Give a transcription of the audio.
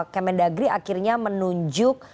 kemendagri akhirnya menunjuk